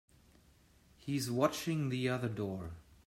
He's watching the other door.